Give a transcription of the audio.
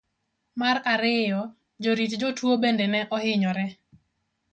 mar ariyo. jorit jotuwo bende ne ohinyore